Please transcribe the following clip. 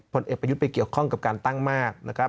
ผลเอกประยุทธ์ไปเกี่ยวข้องกับการตั้งมากนะครับ